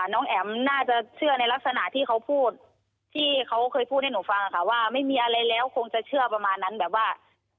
น้องแอ๋มน่าจะเชื่อในลักษณะที่เขาพูดที่เขาเคยพูดให้หนูฟังค่ะว่าไม่มีอะไรแล้วคงจะเชื่อประมาณนั้นแบบว่า